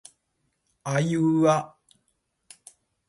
あいうあ